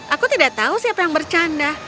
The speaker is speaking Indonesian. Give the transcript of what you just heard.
aku tidak tahu siapa yang bercanda